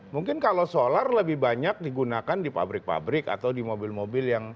mungkin kalau solar lebih banyak digunakan di pabrik pabrik atau di mobil mobil yang